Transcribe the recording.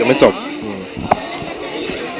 ใส่มาไหม